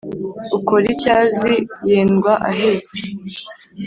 ukora icyo azi yendwa ahetse